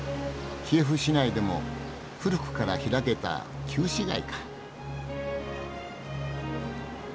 キエフ市内でも古くから開けた旧市街か。